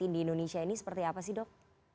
di indonesia ini seperti apa sih dok